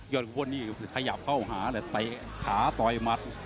ยอดขึ้นบนที่ขยับเข้าหาแตะขาตอยมัด